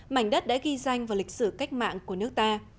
mảnh đất đã ghi danh vào lịch sử cách mạng của nước ta